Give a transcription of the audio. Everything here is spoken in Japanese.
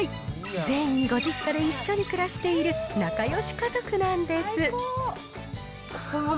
全員ご実家で一緒に暮らしている仲よし家族なんです。